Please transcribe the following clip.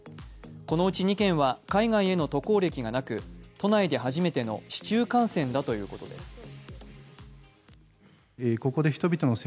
このうち２件は海外への渡航歴がなく、都内で初めての市中感染だということです。